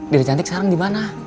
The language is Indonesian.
lebih cantik sekarang di mana